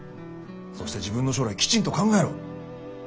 そして自分の将来きちんと考えろ。